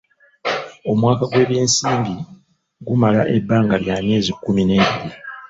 Omwaka gw'ebyensimbi gumala ebbanga lya myezi kkumi n'ebiri.